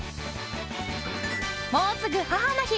もうすぐ母の日。